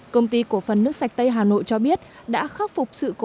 công ty cổ phần nước sạch tây hà nội cho biết đã khắc phục sự cố sửa chữa